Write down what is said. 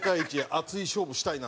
熱い勝負したいな。